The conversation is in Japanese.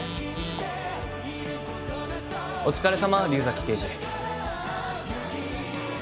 お疲れさま竜崎刑事。